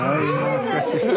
懐かしい。